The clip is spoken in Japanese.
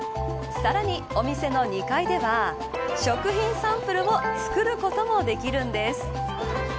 さらに、お店の２階では食品サンプルを作ることもできるんです。